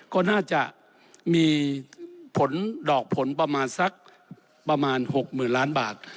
ก็น่าจะมีดอกผลประมาณ๖๐๐๐๐ล้านบาท